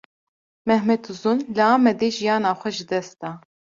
Mehmet Uzun, li Amedê jiyana xwe ji dest da